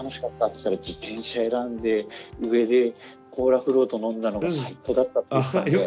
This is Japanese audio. っつったら「自転車選んで上でコーラフロート飲んだのが最高だった」って言ったんで。